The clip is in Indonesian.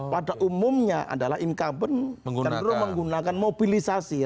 pada umumnya adalah incumbent cenderung menggunakan mobilisasi